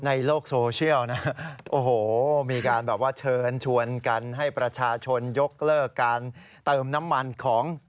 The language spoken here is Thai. ในโลกโซเชียลนะโอ้โหมีการแบบว่าเชิญชวนกันให้ประชาชนยกเลิกการเติมน้ำมันของ